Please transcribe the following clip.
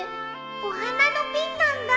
お花のピンなんだ。